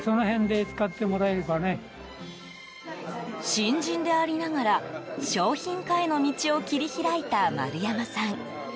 新人でありながら商品化への道を切り開いた丸山さん。